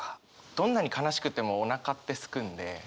どんなに悲しくてもおなかってすくんで。